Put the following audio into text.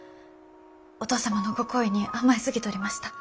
お義父様のご厚意に甘えすぎとりました。